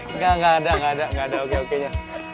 enggak enggak ada oke oke nya